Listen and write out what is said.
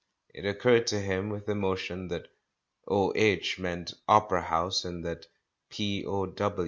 It recurred to him with emotion that "O.H." meant "Opera House," and that "P.O.